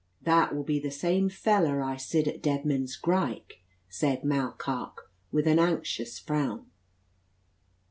"That will be the same fella I sid at Deadman's Grike," said Mall Carke, with an anxious frown.